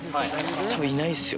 多分いないっすよ。